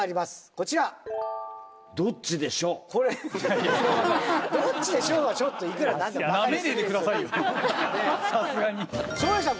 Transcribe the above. こちらいやいやどっちでしょう？はちょっといくらなんでもばかにしすぎですよね照英さん